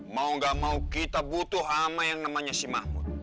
mau gak mau kita butuh hama yang namanya si mahmud